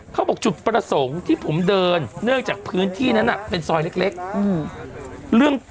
เขาบอกจุดประสงค์ที่ผมเดินเนื่องจากพื้นที่นั้นเป็นซอยเล็ก